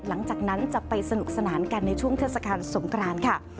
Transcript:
หลังจากนั้นจะไปสนุกสนานกันในช่วงเทศกาลสงกรานค่ะ